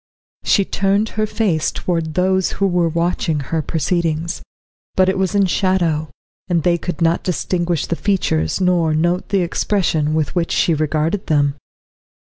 She turned her face towards those who were watching her proceedings, but it was in shadow, and they could not distinguish the features nor note the expression with which she regarded them.